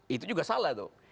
itu juga salah tuh